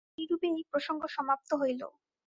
এইরূপে এই প্রসঙ্গ সমাপ্ত হইল।